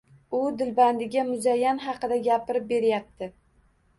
U dilbandiga muzayyan haqida gapirib berayapti